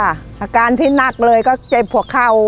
อาการที่หนักเลยก็เจ็บผัวเข่า